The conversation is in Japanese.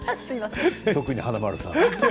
特に華丸さん。